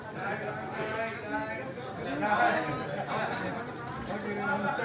terima kasih pak